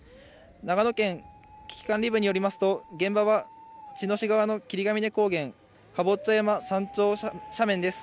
長野県危機管理部によりますと、現場は茅野市側の霧ヶ峰高原、ガボッチョ山山頂斜面です。